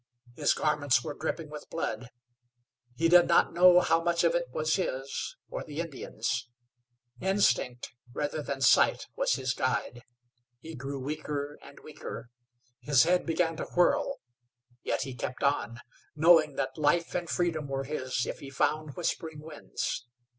His garments were dripping with blood. He did not know how much of it was his, or the Indian's. Instinct rather than sight was his guide. He grew weaker and weaker; his head began to whirl, yet he kept on, knowing that life and freedom were his if he found Whispering Winds.